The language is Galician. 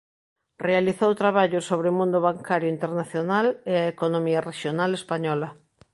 Realizou traballos sobre o mundo bancario internacional e a economía rexional española.